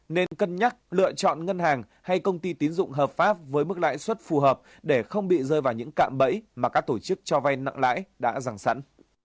nên cân nhắc lựa chọn ngân hàng hay công ty tín dụng hợp pháp với mức lãi suất phù hợp để không bị rơi vào những cạm bẫy mà các tổ chức cho vay nặng lãi đã ràng sẵn